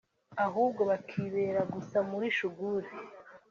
ahubwo bakibera gusa muli Shuguli